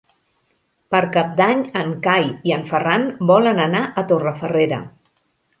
Per Cap d'Any en Cai i en Ferran volen anar a Torrefarrera.